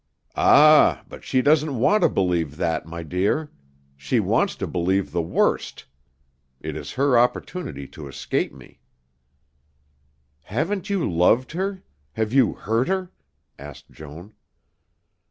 "Ah! But she doesn't want to believe that, my dear. She wants to believe the worst. It is her opportunity to escape me." "Haven't you loved her? Have you hurt her?" asked Joan.